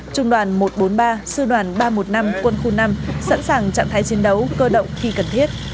trung đoàn một trăm bốn mươi ba sư đoàn ba trăm một mươi năm quân khu năm sẵn sàng trạng thái chiến đấu cơ động khi cần thiết